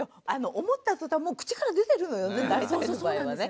思ったとたんもう口から出てるのよね